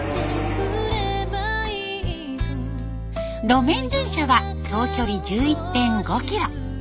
路面電車は総距離１１．５キロ。